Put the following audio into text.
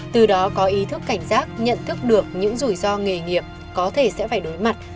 từ đó có ý thức cảnh giác nhận thức được những rủi ro nghề nghiệp có thể sẽ phải đối mặt